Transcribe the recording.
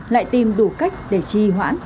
lại tìm đủ cách để trì hoãn